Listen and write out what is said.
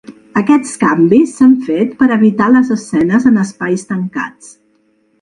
Aquests canvis s’han fet per evitar les escenes en espais tancats.